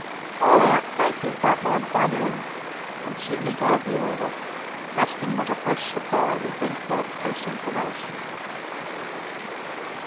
"All right! Thank ye! Don't mind if I do!" And Sydney gave the order, trusting that a fresh supply would bring forth fresh information.